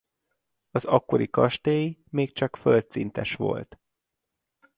Az akkori kastély még csak földszintes volt.